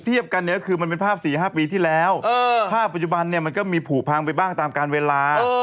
เทียบกันเนี่ยคือมันเป็นภาพ๔๕ปีที่แล้วภาพปัจจุบันเนี่ยมันก็มีผูพังไปบ้างตามการเวลา